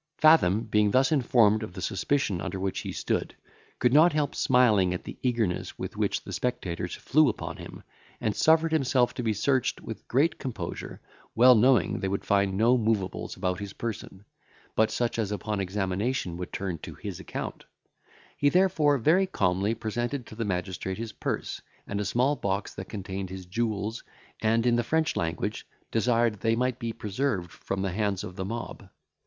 Fathom being thus informed of the suspicion under which he stood, could not help smiling at the eagerness with which the spectators flew upon him, and suffered himself to be searched with great composure, well knowing they would find no moveables about his person, but such as upon examination would turn to his account; he therefore very calmly presented to the magistrate his purse, and a small box that contained his jewels, and in the French language desired they might be preserved from the hands of the mob.